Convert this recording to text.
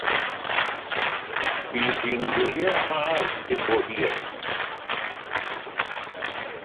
Bydd hi'n wyliau haf cyn bo hir.